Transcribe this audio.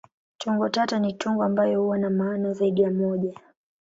Tungo tata ni tungo ambayo huwa na maana zaidi ya moja.